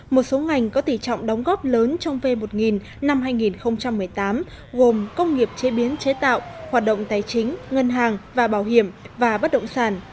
một số ngành có tỷ trọng đóng góp lớn trong v một nghìn năm hai nghìn một mươi tám gồm công nghiệp chế biến chế tạo hoạt động tài chính ngân hàng và bảo hiểm và bất động sản